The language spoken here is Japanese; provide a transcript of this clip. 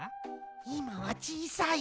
いまはちいさい。